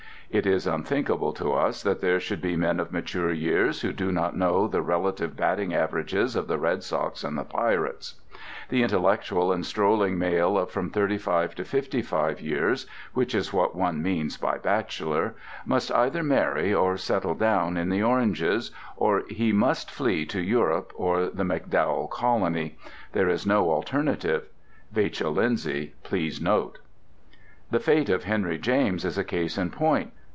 It is unthinkable to us that there should be men of mature years who do not know the relative batting averages of the Red Sox and the Pirates. The intellectual and strolling male of from thirty five to fifty five years (which is what one means by bachelor) must either marry and settle down in the Oranges, or he must flee to Europe or the MacDowell Colony. There is no alternative. Vachel Lindsay please notice. The fate of Henry James is a case in point.